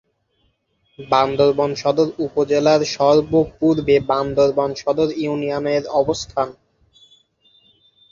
বান্দরবান সদর উপজেলার সর্ব-পূর্বে বান্দরবান সদর ইউনিয়নের অবস্থান।